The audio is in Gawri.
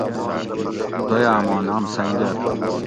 دویاماں نام سنگر